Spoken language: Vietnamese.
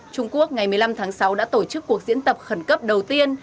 trung quốc ngày một mươi năm tháng sáu đã tổ chức cuộc diễn tập khẩn cấp đầu tiên